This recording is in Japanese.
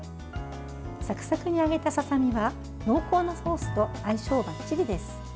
サクサクに揚げたささ身は濃厚なソースと相性ばっちりです。